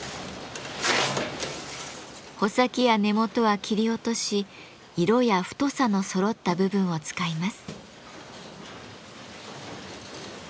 穂先や根元は切り落とし色や太さのそろった部分を使います。